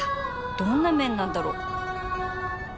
どんな麺なんだろう